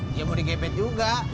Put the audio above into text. dia mau digebet juga